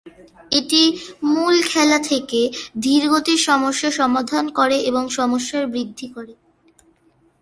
এটি মূল খেলা থেকে ধীরগতির সমস্যা সমাধান করে এবং সমস্যা বৃদ্ধি করে।